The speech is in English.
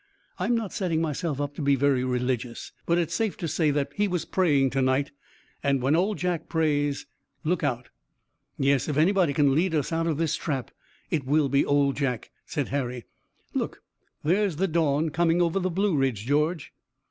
I'm not setting myself up to be very religious, but it's safe to say that he was praying to night, and when Old Jack prays, look out." "Yes, if anybody can lead us out of this trap it will be Old Jack," said Harry. "Look, there's the dawn coming over the Blue Ridge, George."